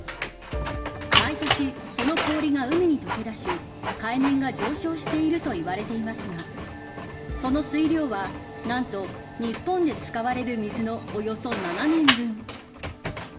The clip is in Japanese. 毎年その氷が海に解け出し海面が上昇していると言われていますがその水量は何と日本で使われる水のおよそ７年分。